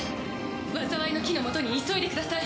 災いの樹のもとに急いでください！